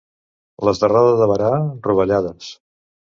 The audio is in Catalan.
Les de Roda de Barà, rovellades.